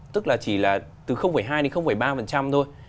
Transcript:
tức là chỉ là từ hai đến ba thôi